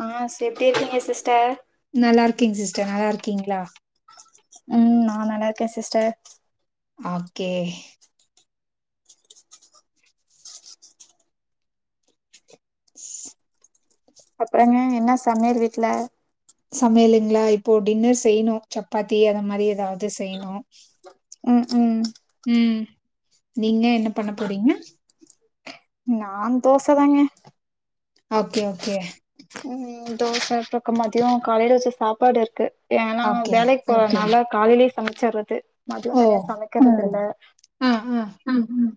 ஆ சி எப்டி இருக்கீங்க சிஸ்டர் நல்லாருக்கேங் சிஸ்டர் நல்லாருக்கீங்ளா ம் நா நல்லாருக்கே சிஸ்டர் ஆகே அப்றங்க என்னா சம்யல் வீட்ல சமயலுங்ளா இப்போ டின்னர் செய்ணு சப்பாத்தி அத மாரி ஏதாவ்து செய்ணு ம் ம் ம் நீங்க என்ன பண்ண போறீங்க நா தோச தாங்கெ ஆகே ஓகே ம் தோச அப்றக்க மதியொ காலைல வச்ச சாப்பாடு இருக்கு ஏனா ஓகே வேலைக் போறனால காலைலே சமச்சற்றது மதியொ ஓ தனியா சமைக்கற்தில்ல ஆ ஆ ம் ம்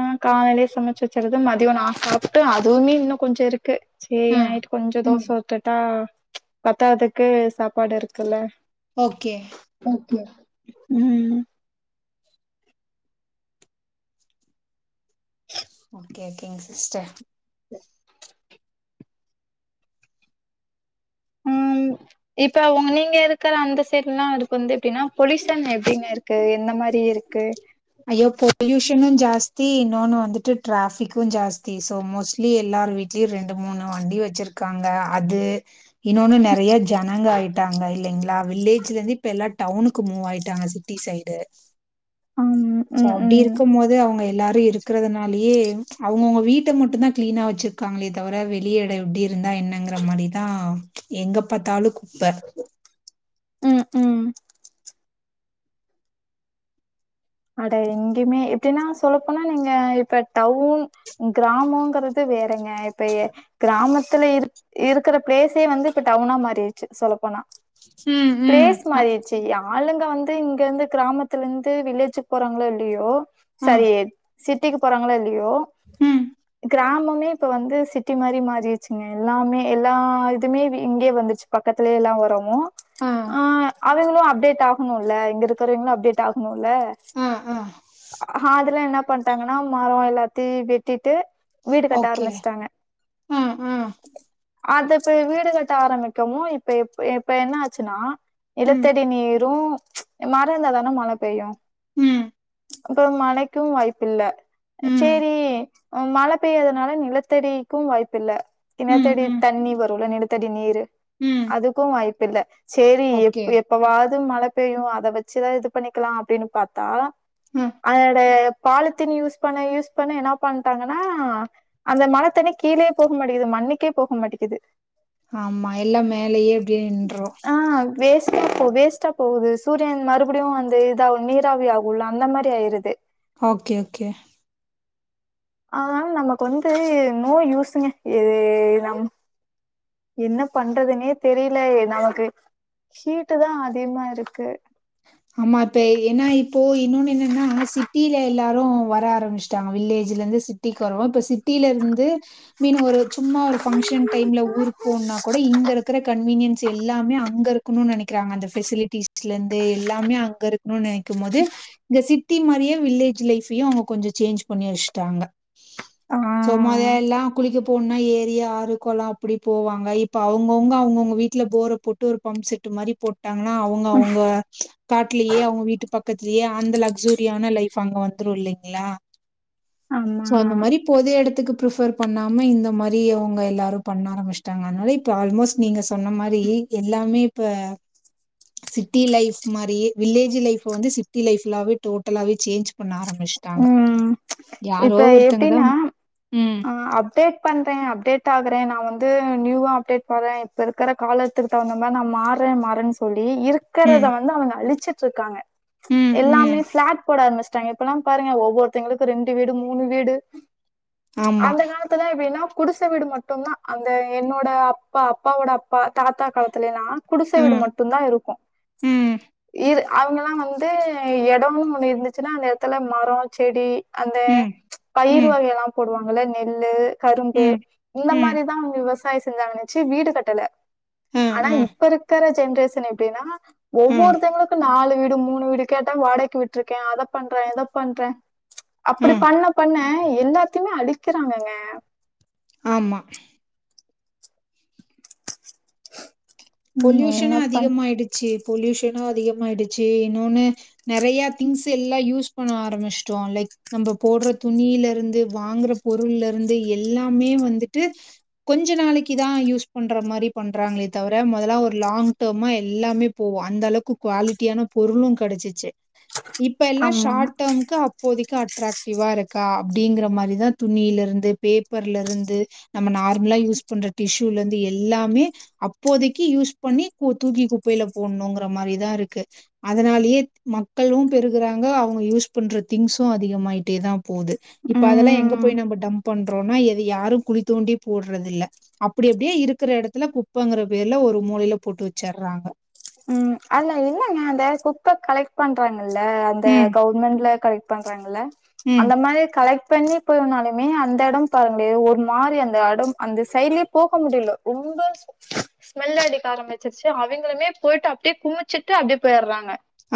ஆ காலைலே சமச்சு வச்சற்றது மதியொ நா சாப்ட்டு அதுவுமே இன்ன கொஞ்ச இருக்கு சேரி ஆ நைட்டு கொஞ்ச தோச ஊத்தட்டா பத்தாதுக்கு சாப்பாடு இருக்குல்ல ஓகே ஓகே ம் ஓகே ஓகேங் சிஸ்டர் ம் இப்ப ஒங் நீங்க இருக்கற அந்த சேட்லா அதுக் வந்து எப்டினா பொலிசன் எப்டிங்க இருக்கு எந்த மார் அரி இருக்கு ஐயோ பொல்யூஷனு ஜாஸ்தி இன்னோனு வந்துட்டு டிராஃபிக்கு ஜாஸ்தி சோ மோஸ்ட்லி எல்லா ஆறு வீட்லியு ரெண்டு மூணு வண்டி வச்சிர்க்காங்க அது இன்னோனு நெறயா ஜனங்க ஆயிட்டாங்க இல்லைங்யு வில்லேஜ்லேந்து இப்ப எல்லா டவுனுக்கு மூவ் ஆயிட்டாங்க சிட்டி சைடு ம் சோ ம் அப்டி ம் இருக்கமோது அவுங்க எ எல்லாரு இருக்கறதுனாலியே அவுங்கவுங்க வீட்ட மட்டுந்தா க்ளீனா வச்சிர்க்காங்ளே தவர வெளி எட எப்டிர் இந்தா என்னங்குற மரிதா எங்க பாத்தாலு குப்ப ம் ம் அட எங்யுமே எப்டினா சொல்லப்போனா நீங்க இப்ப டவுன் கிராமோங்கறது வேறங்க இப்ப எ க்ராமத்துல இரு இருக்குற ப்ளேஸே வந்து இப்ப டவுனா மாறிர்ச்சு சொலப்போனா ம் ம் ப்ளேஸ் மாறிர்ச்சு யாளுங்க வந்து இங்கேந்து க்ராமத்துலெந்து வில்லேஜுக் போறாங்ளோ இல்லியோ ஆ சரி சிட்டிக்கு போறாங்களோ இல்லியோ ம் க்ரேமொ மே இப்ப வந்து சிட்டி மாரி மாறிர்ச்சுங்க எல்லாமே எல்லா இதுமே வி இங்கே வந்துச் பக்கத்துலே எல்லா வோரவு ஆ அவெங்களு அப்டேட் ஆகணுல்ல இங்க இருக்குறவைங்ளு அப்டேட் ஆகணுல்ல ஆ ஆ ஹாதுலா என்ன பண்டாங்கனா மரொ எல்லாத்தி வெட்டிட்டு வீடு கட்ட ஓகே ஆருமிஸ்ட்டாங்க ஆ ஆ அது ப்பெ வீடுகட்ட ஆரமிக்கவு இப்ப எப்பு எப்ப என்னா ஆச்சுனா ம் நிலத்தடி நீரு மர இருந்தாதானே மழ பெய்யு ம் இப்போ மழைக்கு வாய்ப்பு இல்ல ம் சேரி ம் மழ பெய்யாதனால நிலத்தடிக்கு வாய்ப்பு இல்ல ம் நிலத்தடி ம் தண்ணி வரும்ல நிலத்தடி நீரு ம் அதுக்கு வாய்ப்பில்ல சேரி ஓகே எப் எப்பவா து மழ பெய்யு அத வெச்சுதா இது பண்ணிக்கலா அப்டின்னு பாத்தா அதோட பாலுத்தீன் யூஸ் பண்ண யூஸ் பண்ண என்ன பண்ணிட்டாங்கன்னா அந்த மழ தண்ணி கீழே போக மாடிங்குது ம அன்னைக்கே போக மாட்டேங்கிது ஆமா எல்லா மேலேயே அப்டியே நின்றோ ப்போ வேஸ்ட்டா போகுது சூரியன் மறுபடியு அந்த இதாகு நீராவி ஆகல அந்த மாரி ஆயிருது ஓகே கே அனால நமக் வந்து நோ யூஸ்சுங்க எது நம் என்ன பண்றதுன்னே தெரியில நமக்கு ஹீட்டு தா அதிகமாருக்கு [inaudible] அம்மா இப்பே ஏன்ன இப்போ இன்னொன்னு என்னென்னா சிட்டியில எல்லாரு வர ஆரமெச்சுட்டாங்க வில்லேஜ்லருந் சிட்டிக்வரவா ங்க அப் சிட் டீல இருந்து மீனு ஒரு சும்மா ஒரு பங்க்ஷன் டைம்ல ஊருக் போனா கூட இங்கிருக்குற கன்வீனிய ம் சே எல்லாமே அங்கி ருக் க்குனு நெனைக்கறாங்க அந்த ஃவெசிலிட்டிஸ்ல இருந்து எல்லாமே அங்க இருக்கணும்னு நெனைக்கு போது இந்த சிட் த்தீன் மாரியே வில்லேஜ் லைஃப்யு அவங்க கொஞ்சோ சேஞ்ச் பண்ணி வெச்சுட்டாங்க ஆ சோம்மதெல்லா குளிக்க போ போனா ஏரிய ஆறு கொளோ அப்டி போவாங்க இப்ப அவங்கவுங்க அவங்கவுங்க வீட்டுல போர போட்டு ஒரு பம்ப் செட் இந்ந மாறி போட்டாங்கன்னா அவங்க அவங்க காட்டுலயே அவங்க வீட்டு பக்கத்துலயே அந்த லக்சூரியான லைஃப் அங்க வந்துரு இல்லிங்களா ஆமா சோ அந்த மாறி பொதேடத்துக்கு பிர்ஃபர் பண்ணாம இந்த மாரி அவங்க எல்லாரு பண்ண ஆரம்பிச்சிட்டாங்க அதனால இப்ப ஆல்மோஸ்ட் நீங்க சொன்ன மாரி இ எல்லாமே இப்ப சிட்டி லைஃப் மாரியே வில்லேஜ் லைஃப் வந்து சிட்டி லைஃப்லாவே டோட்டலாவே சேஞ்ச் பண்ண ஆரம்பெச்சுட்டாங்க ம் இப்ப எப்டின்னா ம் ஆ அப்டேட் பண்றே அப்டேட் ஆகறே நா வந்து நியூவா அப்டேட் பாறே இப்ப இருக்கிற காலத்துக்கு தகுந்தமார் நா மாறே மாறேன்னு சொல் இ இருக்கறத ம் வந்து அவங்க அழிச்சட்டு இருக்காங்க ம் ம் எல்லாமே ஃப்ளாட் போட ஆரெமெஜ் இப்ப எங்களுக்கு எல்லா பாருங்க ஒவ்வொருத்தங்களுக்கு ரெண்டு வீடு மூணு வீடு ஆமா அந்த காலத்துல எப்டின்னா குடுச வீடு மட்டுதா அந்த என்னோட அப்பா அப்பாவோட அப்பா தாத்தா காலத்துலலா குடுச ம் வீடு மட்டு தா இருக்கு ம், இது அவங்கலா வந்து எடோன்னு ஒன்னு இருந்துச்சுன்னா அந்த எடத்துல மரோ செடி அந்த ம், பயிர் ம், வகையலா போடுவாங்க நெல்லு கரும்பு ம், இந்த ம், மாரிதா விவசாயோ செஞ்சாங்கனாச்சு வீடு கட்டல ம், ஆனா ம், இப்ப இருக்கிற ஜென்ரேஷன் எப்டின்னா ம், ஒவ்வொருத்தவங்களுக்கு நாலு வீடு டு மூணு வீடு கேட்டா வாடகைக்கு விட்டுருக்கே அத பண்றே இத பண்றே அப்படி ம். பண்ண பண்ண எல்லாத்தையுமே அழிக்கிறாங்கங்க ஆமா ம் பொல்யூஷன் என்ன பண் அதிகமாயிடுச்சு பொல்யூஷன் நோ அதிகமாயிடுச்சு இன்னொன்னு நெறைய திங்ஸ் எல்லா யூஸ் பண்ண ஆரமெச்சிட்டோ லைக் நம்ம போடற துணியில இருந்து வாங்கற பொருள்ல இருந்து எல்லாமே வந்துட்டு கொஞ்சோ நா ளைக்கு தா யூஸ் பண்ற மாரி பண்றாங்களே தவிர இல்ல மொதலா ஒரு லாங் டேம்மா எல்லாமே போவோ அந்த அளவுக்கு குவாலிடியான பொருளு கெடச்சு இப்ப எல்லா ஆமா ஷார்ட் டேம்க்கு அப்போதைக்கு அட் அட்ராக்டிவா இருக்கா அப்டிங்கிற மாரி தா துணியில இருந்து பேப்பர்ல இருந்து நம்ம நார்மலா யூஸ் பண்ற டிசூல இருந்து எல்லாமே இப்போதைக்கு யூஸ் பண்ணி தூக்கி குப்பையில போடணுங்கிற மாரிதா இருக்கு அதனாலேயே மக் மக்களு பெருகுறாங்க அவங்க யூஸ் பண்ற திங்சூ அதிகமாயிட்டே தா போகுது இப்ப அதெல்லா எங்க ம் போய் நம்ப டம் பண்றோம்னா எது யாரு குழி தோண்டி போட்றது இல்ல அப்டி அப்டியே இருக்கிற எடத்துல குப் குப்பங்ற பேர்ல ஒரு மூளையில போட்டு வெச்சறாங்க ம் இல்லங்க அந்த குப்ப கலெக்ட் பண்றாங்கல்ல அந்த ம், கவுர்மெண்ட்ல கலெக்ட் பண்றாங்கல்ல ம். அந்த மாரி கலெக்ட் பண்ணி போனாலுமே அந்த எடோ பாருங்கலே ஒரு மாரி அந்த எடோ அந்த சைட்லயே போக முடில ரொம்ப ரொம்ப ஸ்மெல்ல அடிக்க ஆரம்பிச்சிருச்சு அவிங்களுமே போய்ட்டு அப்டியே குமிச்சிட்டு அப்டியே போயிறாங்க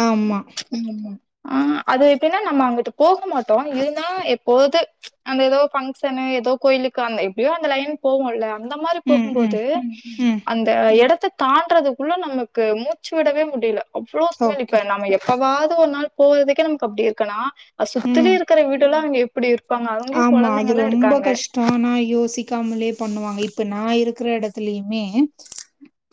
ஆமா அ அது எப்டின்னா நம்ம அங்கிட்டு போக மாட்டோ இருந்தாலு எப்போவாது அந்த ஏதோ பங்க்ஷனு ஏதோ கோயிலுக்கு அந்த எப்டியோ அந்த லைன் போவோல்ல அந்த மாரி ம், ம், போகும்போது ம். அந்த எடத்த தாண்டுறதுக்குள்ள நமக்கு மூ மூச்சு விடவே முடில அவ்ளோ ஸ்மெல் ஓகே. இப்ப நம்ம எப்பவாவது ஒரு நாள் போறதுக்கே நமக்கு அப்டி இருக்குன்னா அ சுத்திலே ம். இருக்கிற வீடெல்லா அங்க எப்டி இரு ஆமா அது ரொம்ப கஷ்டோ நா யோசிக்காமலயே பண்ணுவாங்க இப்ப நா இருக் இருக்கிற எடத்துலயுமே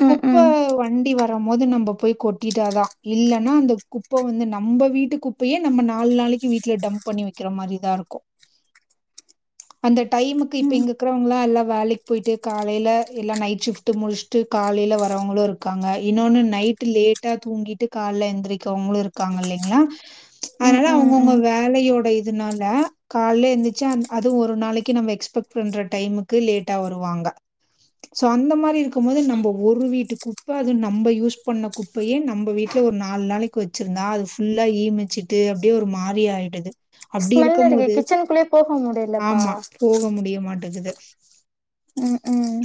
ம் குப்ப ம் வண்டி வரும் போது நம்ம போய் கொட்டிட்டாதா இல்லன்னா அந்த குப்ப வந்து நம் நம்ம வீட்டுக்குப்பையே நம்ம நாலு நாளைக்கு வீட்ல டம்ப் பண்ணி வைக்கிற மாரி தா இருக்கு அந்த டைமுக்கு இப்ப ம் இங்க இருக்றவங்களா எல்ல வேலைக்கு போயிட்டு காலையில இல்ல நைட் ஷிப்ட் முடிச்சுட்டு காலையில வரவங்களு இருக்காங்க இன்னொன்னு நைட் நைட்டு லேட்டா தூங்கிட்டு காலைல எந்திரிக்கவங்களு இருக்காங்க இல்லிங்ளா ம் அதனால ம் அவங்கவுங்களோட ம் வேலையோட இதுனால காலைல எந்துச்சா அ அதுவு ஒரு நாளைக்கு நம்ம எக்ஸ்பெக்ட் பண்ற டைமுக்கு லேட்டா வருவாங்க சோ அந்த மாரி இருக்கு போது நம்ம ஒரு வீட்டு குப்ப அது நம்ம யூஸ் பண்ண குப்பையே நம்ம வீட்ல ஒரு நாலு நாளைக்கு வெச்சிருந்தா அது ஃபுல்லா ஈமிச்சுட்டு அப்டியே ஒரு மாறி ஆயிடுது அப்டி ஸ்மெல் இருக்கும் அடிக்கு போது கிச்சனுக்குள்ளயே போக முடியலப்பா ஆமா போக முடியமாட்டேக்குது ம் ம்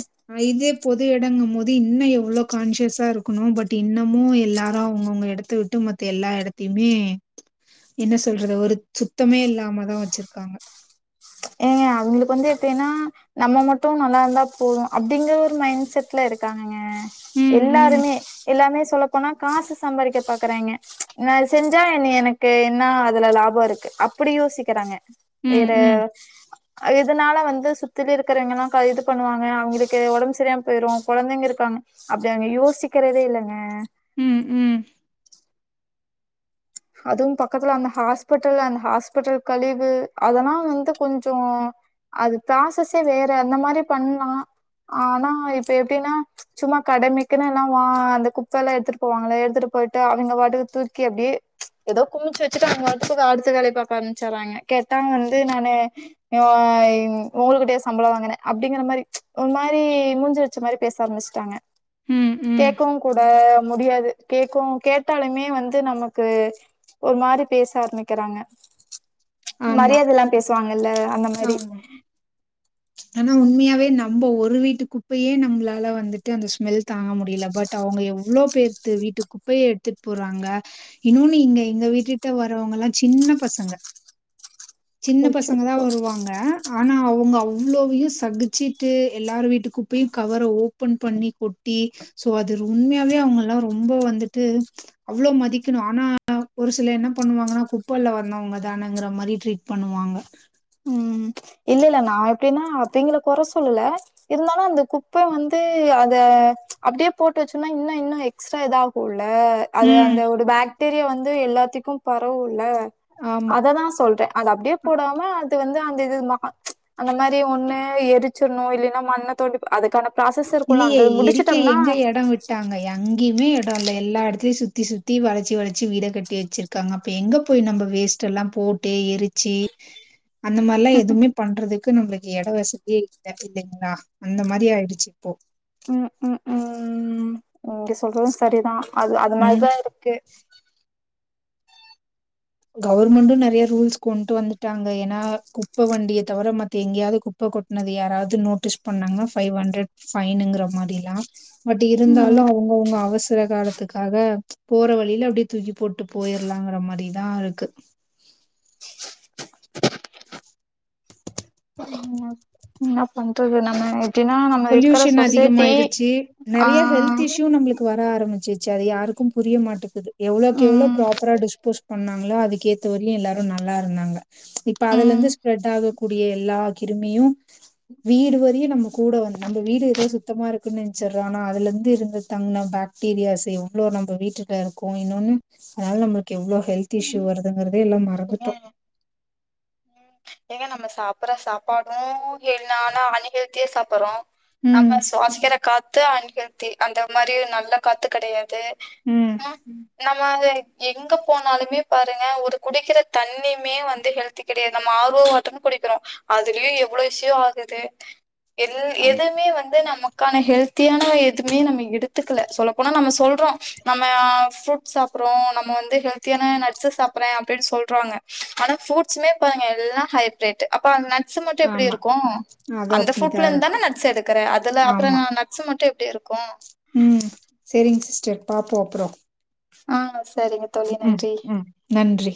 பொது எடங்கும்போது இன்னு எவ்ளோ கான்சியஸா இருக்கணு பட் இன்னமு எல்லாரு அவுங்கவுங்க எடத்த விட்டு மத்த எல்லா எடத்தையுமே என்ன சொல்றது ஒரு சுத்தமே இல்லாமதா வெச்சிருக்க காங்க ஏங்க அவங்களுக்கு வந்து எப்டின்னா நம்ம மட்டு நல்லா இருந்தா போது அப்பிடிங்கற ஒரு மைண்ட்செட்ல இருக்காங்க ம் ம் எல்லாருமே எல்லாமே சொல்லப்போனா காசு சம்பாதிக்க பாக்குறாங்க நா செஞ்சா எனக்கு என்ன அதுல லாபோ இருக்கு அப்பிடி யோசிக்கிறாங்க ம் வேற ம் இதனால வந்து சுத்தில இருக்கிறவங்கல்லா இது பண்ணுவாங்க அவங்களுக்கு ஒடம்பு செரியில்லாம போயிடு கொழந்தைங்க இருக்காங்க அப்டி அங்க யோசிக்கிறதே இல்லங்க ம் ம் அதுவு பக்கத்துல அந்த ஹாஸ்பிட்டல் அந்த ஹாஸ்பிட்டல் கழிவு அதெல்லா வந்து கொஞ்சோ அது ப்ராசஸே வேற அந்த மாரி பண்லா ஆனா இப்ப எப்டின்னா சும்மா கடைமைக்குன்னு எல்லா அந்த குப்பெல்லா எடுத்துட்டு போவாங்கள எடுத்துட்டு போயிட்டு அவங்க பாட்டுக்கு தூக்கி அப்டியே ஏதோ குமிச்சு வெச்சுட்டு அவங்க பாட்டுக்கு அடுத்து வேலைய பாக்க ஆரமிச்சிறாங்க கேட்டா வந்து நானு அ உங்களுகிட்டய சம்பள வாங்குனே அப்டிங்கிற மாரி ஒரு மாரி மூஞ்சில அடிச்ச மாரி பேச ஆரம்பிச்சுட்டாங்க ம் ம் கேட்கவு கூட முடியாது கேட்கவு கேட்டாலுமே வந்து நமக் கு ஒரு மாரி பேச ஆரம்பிக்கிறாங்க ஆமா மரியாத இல்லாம பேசுவாங்கல்ல அந்த மாரி ஆமா ஆனா உண்மையாவே நம்ம ஒரு வீட்டுக்குப்பையே நம்மளால வந்துட்டு அந்த ஸ்மெல் தாங்க முடியல பட் அவங்க எவ்ளோ பேத்து வீட்டு குப்பைய எடுத்துட்டு போறாங்க இன்னொன்னு இங்க எங்க வீட்டுட்ட வரவங்கெல்லா சின் சின்ன பசங்க சின்ன பசங்க தா அச்சச்சோ வருவாங்க ஆனா அவுங்க அவு இவ்ளோவையும் சகிச்சிட்டு எல்லாரு வீட்டுக்குப்பயும் கவர ஓபன் பண்ணி கொட்டி சோ அது உண்மையாவே அவுங்க எல்லாம் ரொம்ப வந்துட்டு அவ்ளோ மதிக்கணும் ஆனா ஒரு சில என்ன பண்ணுவாங்க ஆனா குப்ப அள்ள வந்தவுங்க தானங்கிற மாதிரி ட்ரீட் பண்ணுவாங்க உம் இல்ல இல்ல நான் எப்டின்னா அவிங்கள கொற சொல்லல இருந்தாலும் அந்த குப்ப வந்து அத அப்படியே போட்டு வச்சோனா இன்னு இன்னு எக்ஸ்ட்ரா இதாகும்ல ல்ல அது ம். அந்த ஒரு பாக்டீரியா வந்து எல்லாத்திக்கும் பரவுல ஆமா. அததா சொல்ற அது அப்படியே போடாம அது வந்து அந்த இது ம அந்த மாரி ஒண்ணு எரிச்சிடணு இல்லன்னா மண்ண தோண்டி அதுக்கான ப்ராசஸ் இருக்குல்ல இல்லையே அந்த எரிக்க முடிச்சுட்டோம்னா எங்க இடம் விட்டாங்க எங்கேயுமே இட எல்லா இடத்தலையும் சுத்தி சுத்தி வளச்சி வளச்சி வீட கட்டி வச்சிருக்காங்க அப்ப எங்க போய் நம்ம வேஸ்ட் எல்லா போ போட்டு எரிச்சி அந்த மாரிலா எதுவுமே பண்றதுக்கு நம்மளுக்கு இட வசதியே இல்ல இல்லைங்களா அந்த மாரி ஆயிடுச்சு இப்போ ம் உம் உம் நீங்க சொல்றதும் சரிதான் அது அது ம் மாரிதா இருக்கு கவர்மெண்டு நெறைய ரூல்ஸ் கொண்டு வந்துட்டாங்க ஏன்னா குப்ப வண்டிய தவிர மத்த எங்கயாவது குப்ப கொட்னது யாராவது நோட்டீஸ் பண்ணாங்கன்னா ஃபைவ் ஹண்டரட் ஃபைனுங்கிற மாரிலா பட் ம் இருந்தாலும் அவங்கவுங்க அவசர சில காலத்துக்காக போற வழியில அப்படியே தூக்கி போட்டு போயிரலாங்கிற மாரி எல்லான் இருக்கு என்னா பன்றது நம்ம எப்டின்னா நம்ம இருக்கற பொல்யூஷன் சொசைட்டி அதிகமாயிடுச்சு ஆ நெறைய ஹெல்த் இஷ்யூ நம்மளுக்கு வர ஆரம்பிச்சுச்சு ச அது யாருக்கும் புரிய மாட்டுக்குது எவ்ளோக்கு எவ்ளோ ம் ப்ராப்பரா டிஸ்போஸ் பண்ணா முன்னலா அதுக்கு ஏத்தமாரி எல்லாரும் நல்லா இருந்தாங்க இப்ப அதுல ம் இருந்து ஸ்ப்ரெட் ஆகு கூடிய எல்லா கிருமியும் வீடு வரையும் நமக்கு கூட வந்து நம்ம வீடு ஏதோ சுத்தமா இருக்குன்னு நெனச்சிறோ அதுல இருந்து இருந்த தங்குன பாக்டீரியாஸ் எவ்ளோ நம்ம வீட்டுட்ட இருக்கு இன்னொன்னு அதனால நம்மளுக்கு எவ்ளோ ஹெல்த் இஸ்யூ வருதுங்குறது உண்மையாங்க ம் ஏங்க நம்ம சாப்புடுற சாப்பாடும் எல்லாரும் அன் ஹெல்தியா சாப்புடுறோம் ம் நம்ம சுவாசிக்கிற காத் த்து அன் ஹெல்தி அந்த மாரி நல்ல காத்து கிடையாது ம் முன்னாடி எங்க போனாலுமே பாருங்க ஒரு குடிக்கிற தண்ணியுமே வந்து ஹெல்தி கிடையாது நம்ம ஆர்வோ வாட்டர்னு குடிக்கிறோம் அதுலயும் எவ்ளோ இஷியு ஆகுது அது எ ஆமா எதுவுமே வந்து நமக்கான ஹெல்த்தியான எதுவுமே நம்ம எடுத்துக்கல சொல்ல போனா நம்ம சொல் நம்ம ஃப்ரூட்ஸ் சாப்படுறோம் நம்ம வந்து ஹெல்த்தியான நட்ஸ்சு சாப்டுற அப்டின் சொல்றாங்க ஆனா ப்ரூட்ஸ்மே பாருங்க எல்லா ஹைப்ரேட் அப்ப அது நட்ஸ் மட்டும் எப்டி ஆமா இருக்கு அது அந்த ப்ரூட்ல அப்டிதான் இருந்தான இருக்கும். நட்ஸ் எடுக்குற அதுல அப்றோ நட்ஸ் மட்டும் எப்டி இருக்கு உம் செரிங்க சிஸ்டர் பாப்போ அப்றோ ஆஹ் செரிங்க உம் உம் நன்றி